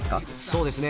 そうですね